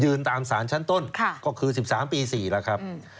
ยืนตามสารชั้นต้นค่ะก็คือสิบสามปีสี่แหละครับอืม